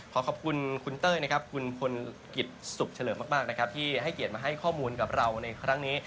ขอขอบคุณคุณเต้ยนะครับคุณพลกิจสุขเฉลิมมากนะครับที่ให้เกียรติมาให้ข้อมูลกับเราในครั้งนี้